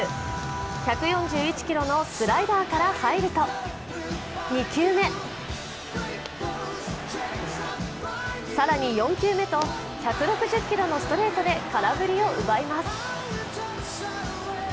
１４１キロのスライダーから入ると、２球目更に４球目と１６０キロのストレートで空振りを奪います。